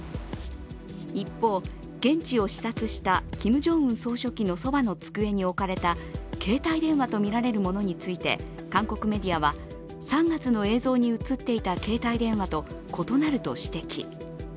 一方、現地を視察したキム・ジョンウン総書記のそばの机に置かれた携帯電話とみられるものについて韓国メディアは３月の映像に映っていた携帯電話と異なると指摘。